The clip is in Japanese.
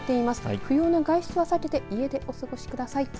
不要の外出は避けて家でお過ごしください。